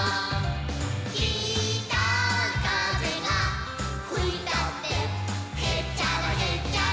「きたかぜがふいたってへっちゃらへっちゃら」